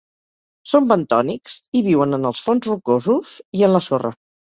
Són bentònics i viuen en els fons rocosos i en la sorra.